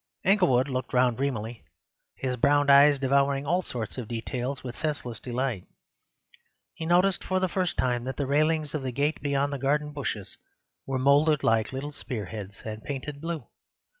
Inglewood looked around dreamily, his brown eyes devouring all sorts of details with a senseless delight. He noticed for the first time that the railings of the gate beyond the garden bushes were moulded like little spearheads and painted blue.